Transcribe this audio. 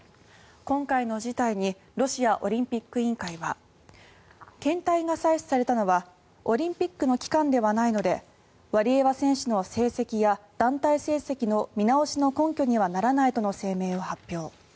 今回の事態にロシアオリンピック委員会は検体が採取されたのはオリンピックの期間ではないのでワリエワ選手の成績や団体成績の見直しの根拠にはならないとの声明を発表。